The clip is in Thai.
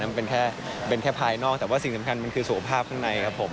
มันเป็นแค่เป็นแค่ภายนอกแต่ว่าสิ่งสำคัญมันคือสุขภาพข้างในครับผม